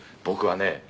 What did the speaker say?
僕はね